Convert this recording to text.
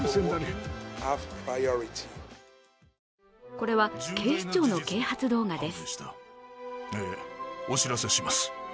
これは、警視庁の啓発動画です。